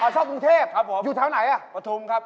ชอบกรุงเทพอยู่แถวไหนล่ะครับผมประทุมครับ